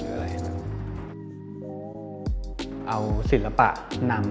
เอาศิลปะนำ